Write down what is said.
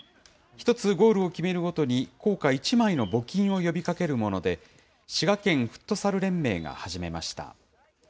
１つゴールを決めるごとに硬貨１枚の募金を呼びかけるもので、滋賀県フットサル連盟が始めました。